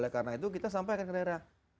oleh karena itu kita sampai ke daerah